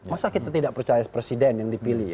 masa kita tidak percaya presiden yang dipilih